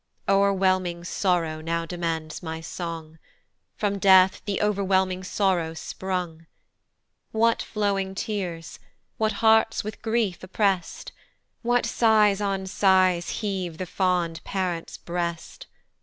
O'ERWHELMING sorrow now demands my song: From death the overwhelming sorrow sprung. What flowing tears? What hearts with grief opprest? What sighs on sighs heave the fond parent's breast?